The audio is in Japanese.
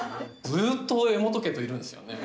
ずーっと柄本家といるんですよね。